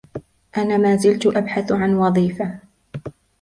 أنا ما زلت أبحث عن وظيفة.